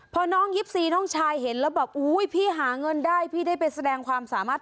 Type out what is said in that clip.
พอน้อง๒๔น้องชายเห็นแล้วบอกอุ้ยพี่หาเงินได้พี่ได้ไปแสดงความสามารถ